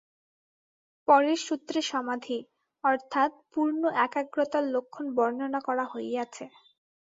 পরের সূত্রে সমাধি অর্থাৎ পূর্ণ একাগ্রতার লক্ষণ বর্ণনা করা হইয়াছে।